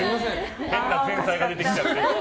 変なのが出てきちゃって。